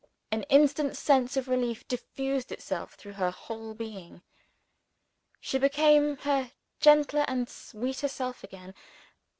An instant sense of relief diffused itself through her whole being. She became her gentler and sweeter self again.